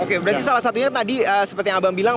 oke berarti salah satunya tadi seperti yang abang bilang